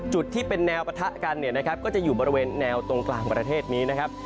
จุดที่เป็นแนวปะทะกันเนี่ยนะครับก็จะอยู่บริเวณแนวตรงกลางประเทศนี้นะครับ